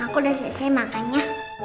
aku udah selesai makannya